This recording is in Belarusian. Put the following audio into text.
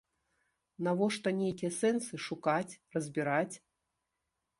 Навошта нейкія сэнсы шукаць, разбіраць?